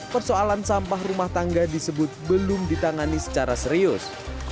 persoalan sampah rumah tangga disebut belum ditangani secara serius